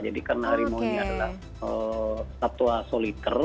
jadi karena harimau ini adalah satwa soliter